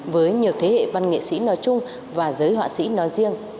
với nhiều thế hệ văn nghệ sĩ nói chung và giới họa sĩ nói riêng